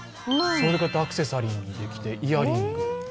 アクセサリーにできてイヤリング。